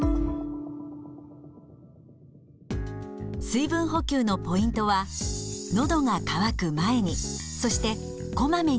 水分補給のポイントはのどが渇く前にそしてこまめに飲むことです。